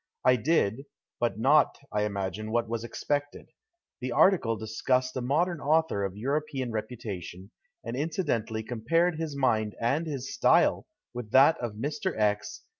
I did, but not, I imagine, what was expected. The article discussed a modern author of European reputation, and inci dentally compared liis mind and his style with that of Mr. X.